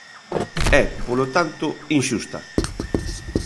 É, polo tanto, inxusta.